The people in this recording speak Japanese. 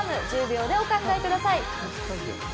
１０秒でお考えください。